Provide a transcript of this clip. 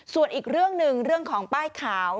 ส่วนอีกเรื่องหนึ่งเรื่องของป้ายขาว